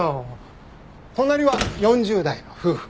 隣は４０代の夫婦。